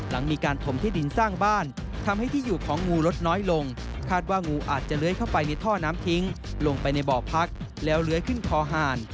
ลงไปในบ่อพักแล้วเลื้อยขึ้นคอห่าน